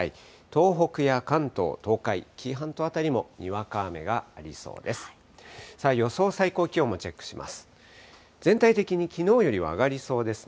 東北や関東、東海、紀伊半島辺りも、にわか雨がありそうです。